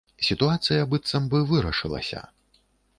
Сітуацыя, быццам бы, вырашылася.